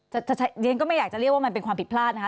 ฉันก็ไม่อยากจะเรียกว่ามันเป็นความผิดพลาดนะคะ